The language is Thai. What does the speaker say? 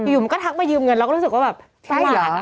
อยู่มันก็ทักไปยืมเงินเราก็รู้สึกว่าแบบ